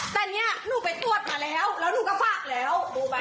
แต่เนี่ยหนูไปตรวจมาแล้วแล้วหนูก็ฝากแล้ว